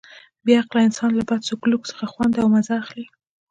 بې عقله انسان له بد سلوک څخه خوند او مزه اخلي.